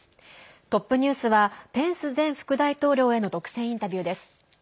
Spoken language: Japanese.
トップニュースはペンス前副大統領への独占インタビューです。